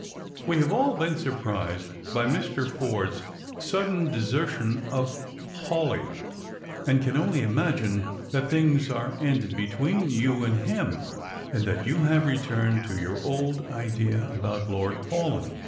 " We have all been surprised by Mr. Forde's sudden desertion of Hawleigh, and can only imagine that things are ended be tween you and him ; and that you have returned to your old idea about Lord Paulyn.